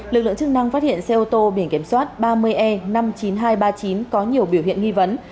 lực lượng chức năng phát hiện xe ô tô biển kiểm soát ba mươi e năm mươi chín nghìn hai trăm ba mươi chín có nhiều biểu hiện nghi vấn